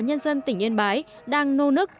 cán bộ và nhân dân tỉnh yên bái đang nô nức